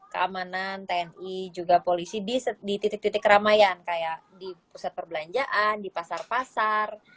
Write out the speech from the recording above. keamanan tni juga polisi di titik titik keramaian kayak di pusat perbelanjaan di pasar pasar